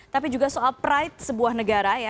tapi juga soal pride sebuah negara ya